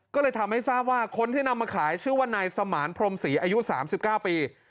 ก็เลยทำให้ทราบว่าคนที่นำมาขายชื่อว่านายสมานพรมศรีอายุ๓๙ปี